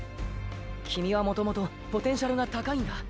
キミはもともとポテンシャルが高いんだ。